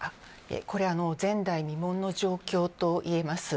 これは前代未聞の状況と言えます。